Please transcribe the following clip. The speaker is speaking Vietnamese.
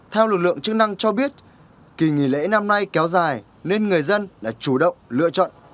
theo lực lượng chức năng cho biết kỳ nghỉ lễ năm nay kéo dài nên người dân đã chủ động lựa chọn